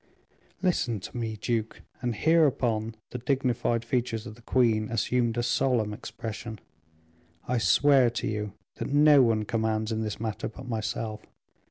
'" "Listen to me, duke," and hereupon the dignified features of the queen assumed a solemn expression. "I swear to you that no one commands in this matter but myself.